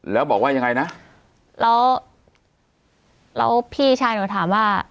แล้วบอกว่ายังไงนะแล้วแล้วพี่ชายหนูถามว่า